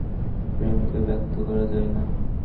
প্রেমকে ব্যক্ত করা যায় না।